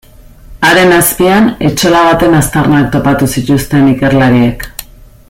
Haren azpian etxola baten aztarnak topatu zituzten ikerlariek.